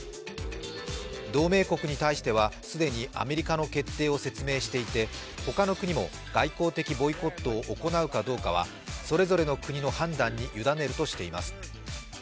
同盟国に対しては既にアメリカの決定を説明していて他の国も外交的ボイコットを行うかどうかはそれぞれの判断に委ねるとしています。